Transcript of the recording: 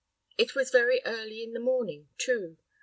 It was very early in the morning, too.